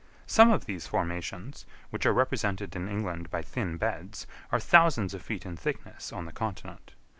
Some of these formations, which are represented in England by thin beds, are thousands of feet in thickness on the Continent.